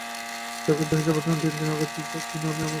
ঠাকুরের দেহ যাবার তিন-চারদিন আগে তিনি আমাকে একাকী একদিন কাছে ডাকলেন।